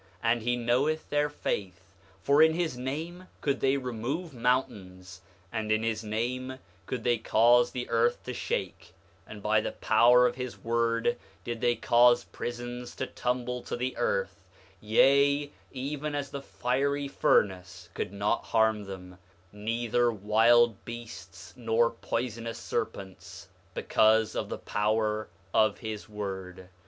And he knoweth their faith, for in his name could they remove mountains; and in his name could they cause the earth to shake; and by the power of his word did they cause prisons to tumble to the earth; yea, even the fiery furnace could not harm them, neither wild beasts nor poisonous serpents, because of the power of his word.